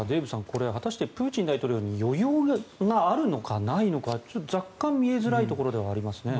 これ、プーチン大統領に余裕があるのかないのか若干見えづらいところではありますね。